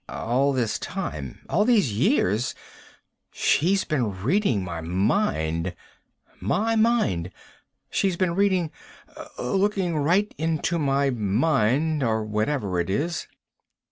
All this time, all these years, she's been reading my mind! My mind. She's been reading ... looking right into my mind, or whatever it is."